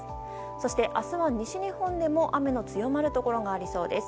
そして明日は西日本でも雨の強まるところがありそうです。